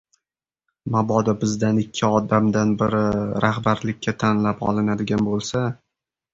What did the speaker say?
Mabodo bizdan ikki odamdan biri rahbarlikka tanlab olinadigan bo‘lsa